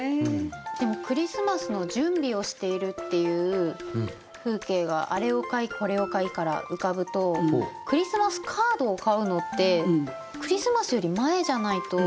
でもクリスマスの準備をしているっていう風景が「あれを買ひこれを買ひ」から浮かぶとクリスマスカードを買うのってクリスマスより前じゃないと。